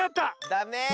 ダメ！